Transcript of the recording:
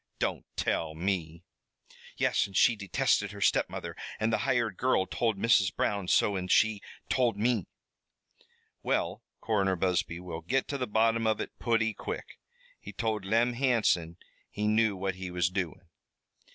Don't tell me!" "Yes, and she detested her step mother the hired girl told Mrs. Brown so, an' she told me." "Well, Coroner Busby will git to the bottom of it putty quick. He told Lem Hansom he knew what he was doin'."